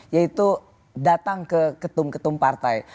yaitu datang ke ketum ketum partai